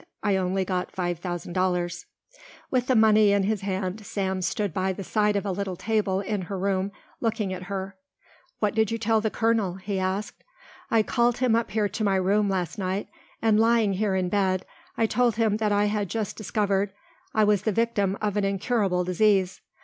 I only got five thousand dollars." With the money in his hand Sam stood by the side of a little table in her room looking at her. "What did you tell the colonel?" he asked. "I called him up here to my room last night and lying here in bed I told him that I had just discovered I was the victim of an incurable disease.